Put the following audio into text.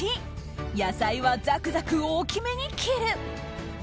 １野菜はザクザク大きめに切る。